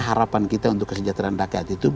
harapan kita untuk kesejahteraan rakyat itu